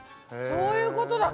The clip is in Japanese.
そういうことだ。